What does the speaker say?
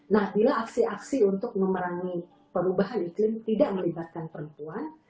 nah bila aksi aksi untuk memerangi perubahan iklim tidak melibatkan perempuan